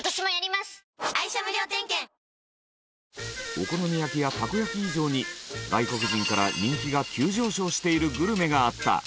お好み焼きやたこ焼き以上に外国人から人気が急上昇しているグルメがあった。